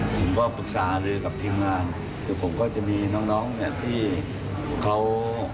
ผมก็ปรึกษาลือกับทีมงานคือผมก็จะมีน้องน้องเนี่ยที่เขา